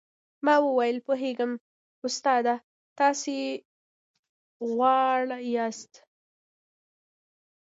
ما وويل پوهېږم استاده تاسې غواړاست.